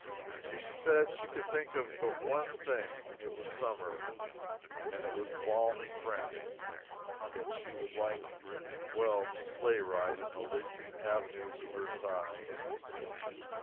She said she could think of but one thing it was summer, and it was balmy France yet she would like well to sleigh ride in the leafy avenues of Versailles!